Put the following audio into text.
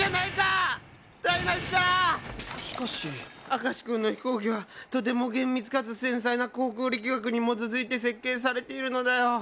明石君の飛行機はとても厳密かつ繊細な航空力学に基づいて設計されているのだよ。